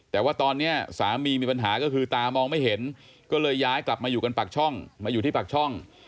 แต่ว่าตอนนี้สามีมีปัญหาก็คือตามองไม่เห็นก็เลยย้ายกลับมาอยู่ที่ปากช่อง